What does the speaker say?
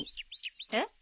えっ？